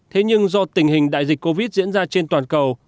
thế nhưng do tình hình đại dịch covid diễn ra trên toàn cầu